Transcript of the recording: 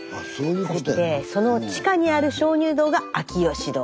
そしてその地下にある鍾乳洞が秋芳洞。